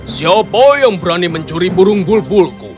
siapa yang berani mencuri burung bulbulku